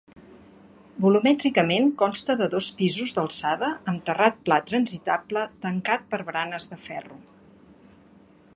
Volumètricament consta de dos pisos d'alçada amb terrat pla transitable tancat per baranes de ferro.